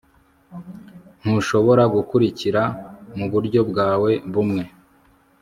Ntushobora gukurikira muburyo bwawe bumwe